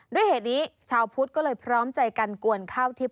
ด้วยเหตุนี้ชาวพุทธก็เลยพร้อมใจกันกวนข้าวทิพย